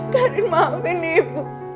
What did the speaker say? karin maafin ibu